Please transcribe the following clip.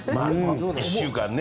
１週間ね。